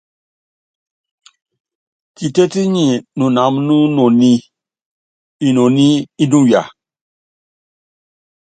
Kitétí nyi kánɛ wu inoní, inoní inuya.